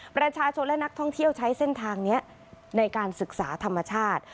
ประชาชนและนักท่องเที่ยวใช้เส้นทางนี้ในการศึกษาธรรมชาติ